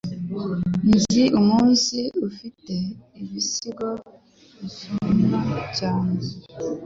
Nzi umusizi ufite ibisigo bisomwa cyane.